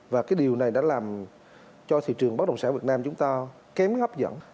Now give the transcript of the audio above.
và cái điều này đã làm cho thị trường bất đồng sản việt nam chúng ta kém hấp dẫn